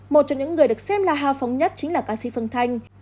một trong những người được xem là hào phóng nhất chính là ca sĩ phương thanh